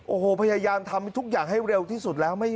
โอ้โหพยายามทำให้ทุกอย่างให้เร็วที่สุดแล้ว